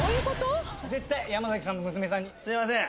絶対すいません。